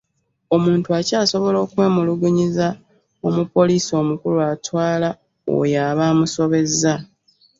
Omuntu akyasobola n’okwemulugunyiza omupoliisi omukulu atwaala oyo aba amusobezza.